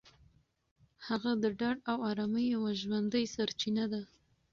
هغه د ډاډ او ارامۍ یوه ژوندۍ سرچینه ده.